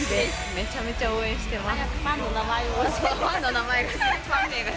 めちゃめちゃ応援してます